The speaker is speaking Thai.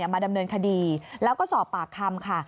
มาดำเนินคดีแล้วก็สอบปากคำค่ะ